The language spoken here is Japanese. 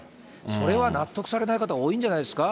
それは納得されない方、多いんじゃないですか？